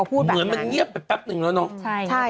เหมือนมันเงียบไปแป๊บนึงแล้วเนาะ